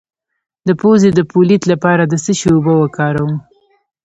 د پوزې د پولیت لپاره د څه شي اوبه وکاروم؟